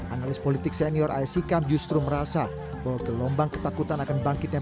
analis politik senior aisyikam justru merasa bahwa gelombang ketakutan akan bangkitnya pki